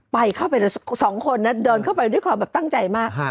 ไปเข้าไป๒คนนะแต่เดินเข้าไปด้วยความแบบตั้งใจมาก